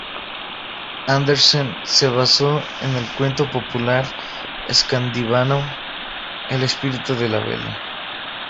Andersen se basó en el cuento popular escandinavo "El espíritu de la vela".